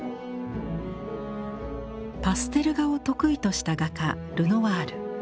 パステル画を得意とした画家ルノワール。